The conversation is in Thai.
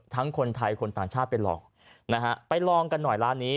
คนไทยคนต่างชาติไปหลอกนะฮะไปลองกันหน่อยร้านนี้